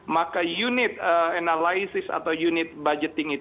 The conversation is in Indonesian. maka unit analisis atau unit budgeting ini